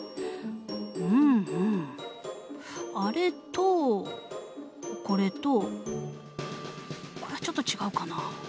うんうんあれとこれとこれはちょっと違うかな？